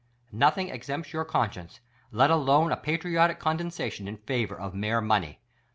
Nothing exempts our conscience, let alone a patriotic condescension in favor of mere money!